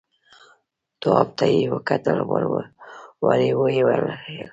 تواب ته يې وکتل، ورو يې وويل: